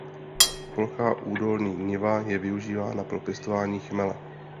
Plochá údolní niva je využívána pro pěstování chmele.